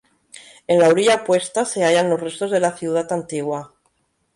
En la orilla opuesta se hallan los restos de la ciudad antigua.